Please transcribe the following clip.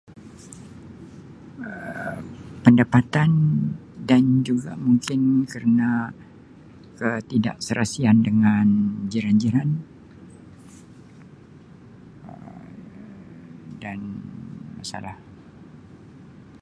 Um Pendapatan dan juga mungkin kerna ketidakserasian dengan jiran-jiran Um dan pesara.